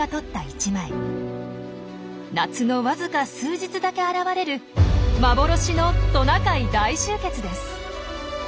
夏の僅か数日だけ現れる幻のトナカイ大集結です！